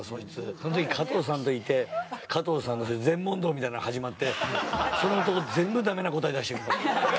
その時加藤さんといて加藤さんの禅問答みたいなの始まってその男全部ダメな答え出してくるの。